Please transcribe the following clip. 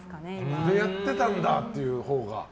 ここでやってたんだっていうほうが？